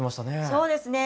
そうですね